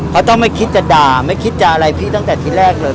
เขาต้องไม่คิดจะด่าไม่คิดจะอะไรพี่ตั้งแต่ที่แรกเลย